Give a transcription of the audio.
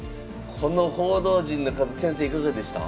この報道陣の数先生いかがでした？